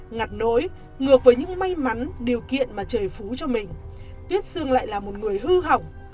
ngặt nối ngược với những may mắn điều kiện mà trời phú cho mình tuyết xương lại là một người hư hỏng